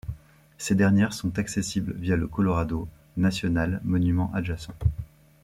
Ces dernières sont accessibles via le Colorado National Monument adjacent.